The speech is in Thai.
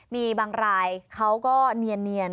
มีบางรายเขาก็เนียน